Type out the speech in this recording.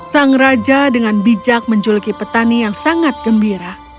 sang raja dengan bijak menjuluki petani yang sangat gembira